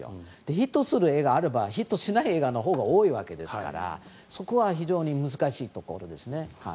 ヒットする映画があればヒットしない映画のほうが多いわけですからそこは非常に難しいところですね。